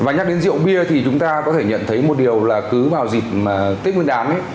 nhắc đến rượu bia thì chúng ta có thể nhận thấy một điều là cứ vào dịp tết nguyên đán